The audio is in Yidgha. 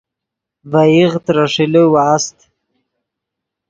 ڤے ایغ ترے ݰیلے واست